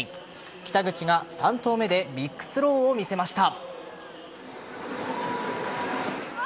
北口が３投目でビッグスローを見せました。